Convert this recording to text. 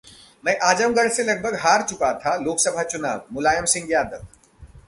मैं आजमगढ़ से लगभग हार चुका था लोकसभा चुनाव: मुलायम सिंह यादव